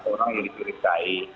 orang yang dikirikai